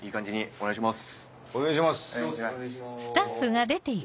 お願いします。